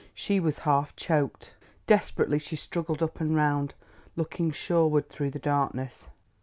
She was half choked. Desperately she struggled up and round, looking shoreward through the darkness.